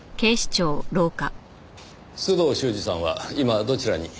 須藤修史さんは今どちらに？